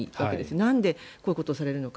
なんでこういうことをされるのか。